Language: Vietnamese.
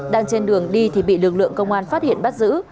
đang trên đường đi thì bị lực lượng công an phát hiện bắt giữ